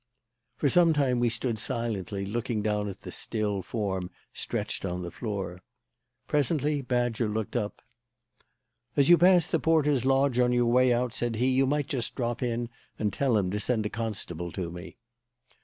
For some time we stood silently looking down at the still form stretched on the floor. Presently Badger looked up. "As you pass the porter's lodge on your way out," said he, "you might just drop in and tell him to send a constable to me."